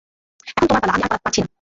এখন তোমার পালা আমি আর পারছি না।